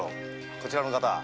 こちらの方は。